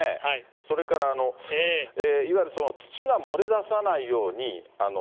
それから、いわゆる土が漏れださないように、